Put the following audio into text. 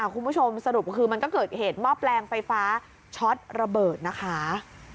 คุณผู้ชมสรุปคือมันก็เกิดเหตุหม้อแปลงไฟฟ้าช็อตระเบิดนะคะ